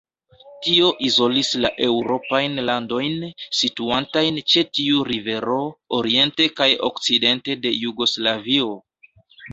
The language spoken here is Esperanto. Tio izolis la eŭropajn landojn, situantajn ĉe tiu rivero, oriente kaj okcidente de Jugoslavio.